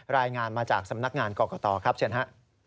รายงานมาจากสำนักงานกรกตครับเชิญฮะ